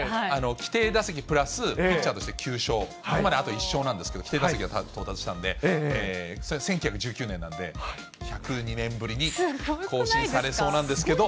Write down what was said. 規定打席プラスピッチャーとして９勝、そこまであと１勝なんですけど、到達したんで、それが１９１９年なんで、１０２年ぶりに更新されそうなんですけど。